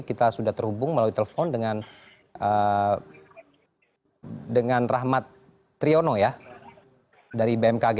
kita sudah terhubung melalui telepon dengan rahmat triono ya dari bmkg